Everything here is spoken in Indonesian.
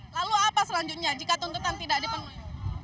lalu apa selanjutnya jika tuntutan tidak dipenuhi